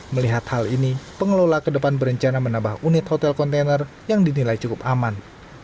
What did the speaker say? melihat hal ini pengelola ke depan berencana menambah unit hotel kontainer yang dinilai cukup aman